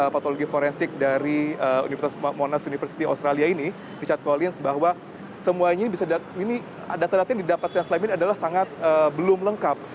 patologi forensik dari universitas monas universitas australia ini richard collins bahwa semuanya ini bisa didapatkan adalah sangat belum lengkap